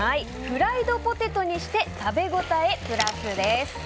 フライドポテトにして食べ応えプラスです。